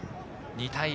２対１。